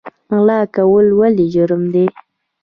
غلا کول ولې جرم دی؟